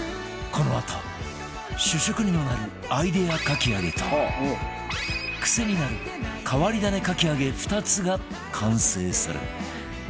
このあと主食にもなるアイデアかき揚げとクセになる変わり種かき揚げ２つが完成する